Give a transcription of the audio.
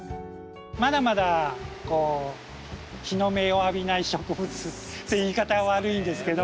まだまだ日の目を浴びない植物って言い方は悪いんですけど。